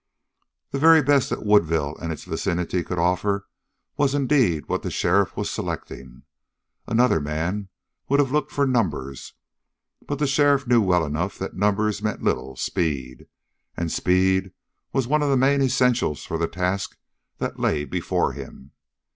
The very best that Woodville and its vicinity could offer, was indeed what the sheriff was selecting. Another man would have looked for numbers, but the sheriff knew well enough that numbers meant little speed, and speed was one of the main essentials for the task that lay before him.